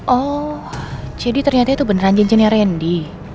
oh jadi ternyata itu beneran cincinnya ren di